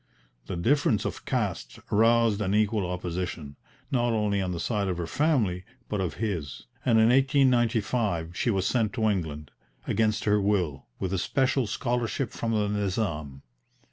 The difference of caste roused an equal opposition, not only on the side of her family, but of his; and in 1895 she was sent to England, against her will, with a special scholarship from the Nizam.